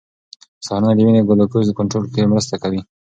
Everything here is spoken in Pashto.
سهارنۍ د وینې ګلوکوز کنټرول کې مرسته کوي.